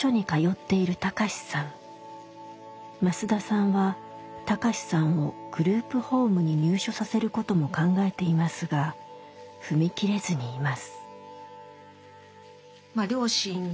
増田さんは貴志さんをグループホームに入所させることも考えていますが踏み切れずにいます。